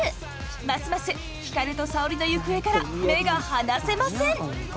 ますます光と沙織の行方から目が離せません！